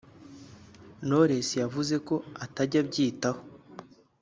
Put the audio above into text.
Knowless yavuze ko atajya abyitaho